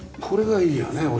これがいいよね